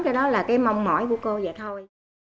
cái đó là cái mong mỏi của cô vậy thôi